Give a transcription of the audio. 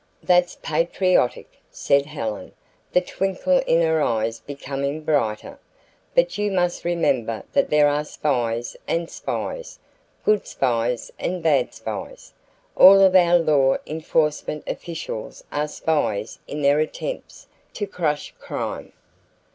"That's patriotic," said Helen, the twinkle in her eyes becoming brighter. "But you must remember that there are spies and spies, good spies and bad spies. All of our law enforcement officials are spies in their attempts to crush crime.